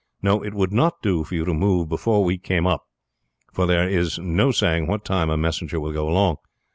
No, it would not do for you to move before we come up, for there is no saying what time a messenger will go along.